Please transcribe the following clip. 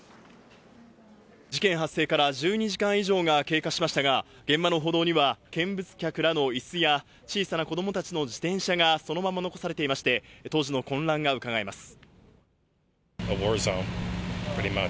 事件発生から１２時間以上が経過しましたが、現場の歩道には見物客らのいすや、小さな子どもたちの自転車がそのまま残されていまして、当時の混乱がうかがえます。